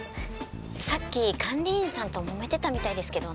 さっき管理員さんともめてたみたいですけど。